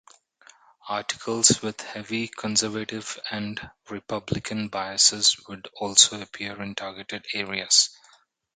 Articles with heavy conservative and Republican biases would also appear in targeted areas.